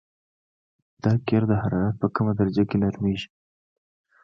دا قیر د حرارت په کمه درجه کې نرمیږي